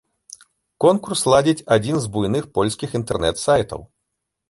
Конкурс ладзіць адзін з буйных польскіх інтэрнэт-сайтаў.